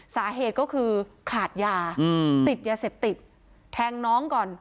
สาเหตุก็คือขาดยาติดยาเสพติดแทงน้องก่อน